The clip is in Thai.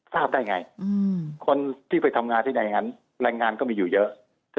ทราบได้ยังไงคนที่ไปทำงานที่ในนั้นรายงานก็มีอยู่เยอะ